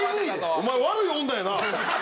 お前悪い女やな！